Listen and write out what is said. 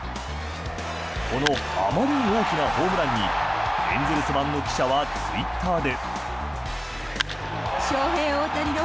このあまりに大きなホームランにエンゼルス番の記者はツイッターで。